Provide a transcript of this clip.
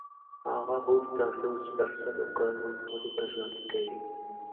هغه هوډ درلود چې تر سلو کلونو پورې به ژوند کوي.